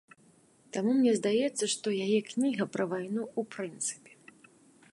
Таму мне здаецца, што яе кніга пра вайну ў прынцыпе.